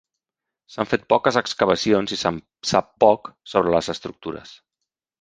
S'han fet poques excavacions i se'n sap poc sobre les estructures.